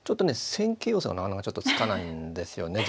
戦型予想がなかなかちょっとつかないんですよね実は。